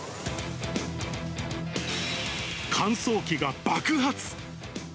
乾燥機が爆発。